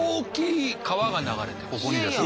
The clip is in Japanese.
ここにですか？